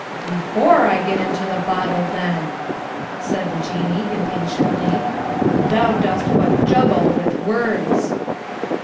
"Before I get into the bottle, then!" said the Jinnee, impatiently. "Thou dost but juggle with words!"